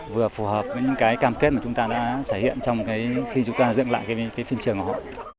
vừa phù hợp với những cam kết mà chúng ta đã thể hiện trong khi chúng ta dựng lại phim trường của họ